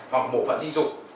hoặc bộ phận dinh dục